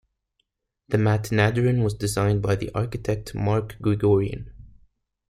The Matenadaran was designed by architect Mark Grigoryan.